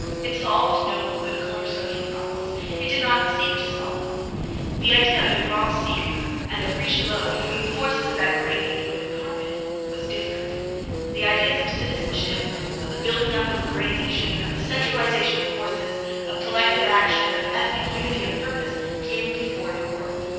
It solved no political or social problems; it did not seek to solve them. The ideal of the 'Grand Siecle,' and of Richelieu, in whom the forces of that great age were incarnate, was different. The ideas of citizenship, of the building up of a great nation, of the centralisation of forces, of collective action, of ethnic unity of purpose, came before the world.